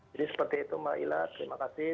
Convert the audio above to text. jadi seperti itu mbak ila terima kasih